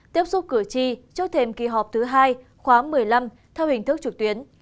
tiếp xúc cửa chi trước thêm kỳ họp thứ hai khóa một mươi năm theo hình thức trực tuyến